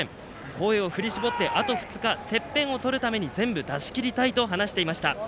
声を振り絞ってあと２日、てっぺんをとるために全部出しきりたいと話していました。